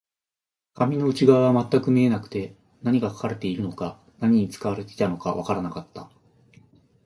紙の内側は全く見えなくて、何が書かれているのか、何に使われていたのかわからなかった